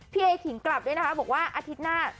เอขิงกลับด้วยนะคะบอกว่าอาทิตย์หน้า